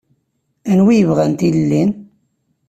Anwa i yebɣan tilelli?